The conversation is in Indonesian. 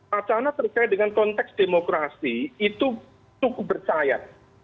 wacana terkait dengan konteks demokrasi itu cukup bercaya